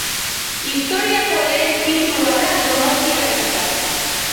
Historiako lehen titulua da donostiarrentzat.